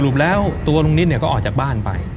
แล้วตัวลุงนิดเนี่ยก็ออกจากบ้านไป